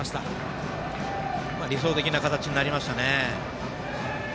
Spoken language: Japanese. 理想的な形になりましたね。